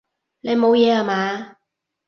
你冇嘢啊嘛？